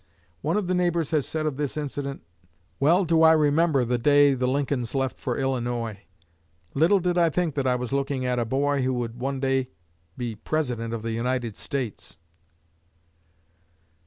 One of the neighbors has said of this incident: "Well do I remember the day the Lincolns left for Illinois. Little did I think that I was looking at a boy who would one day be President of the United States!"